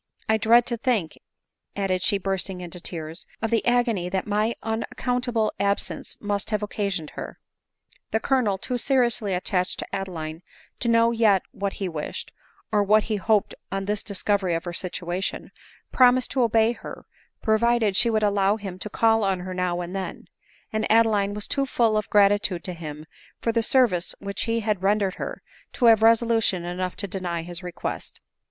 I dread to think," added she bursting into tears, " of the agony that my unaccountable absence must have occasioned her." The Colonel, too seriously attached to Adeline to know yet what he wished, or what he hoped on this discovery of her situation, promised to obey her, provided she would allow him to call on her now and then ; and Adeline was too full of gratitude to him for the service which he had rendered her, to have resolution enough to deny his request.